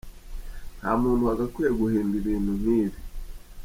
Nta muntu wagakwiye guhimba ibintu nk’ibi.